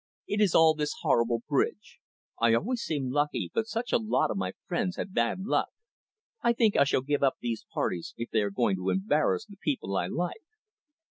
It is all this horrible bridge. I always seem lucky, but such a lot of my friends have bad luck. I think I shall give up these parties, if they are going to embarrass the people I like."